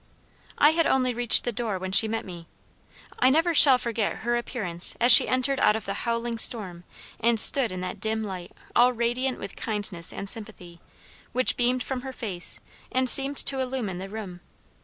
"I had only reached the door when she met me. I never shall forget her appearance as she entered out of the howling storm and stood in that dim light all radiant with kindness and sympathy, which beamed from her face and seemed to illumine the room.